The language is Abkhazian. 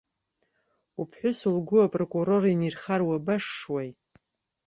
Уԥҳәыс лгәы апрокурор инирхар уабашшуеи!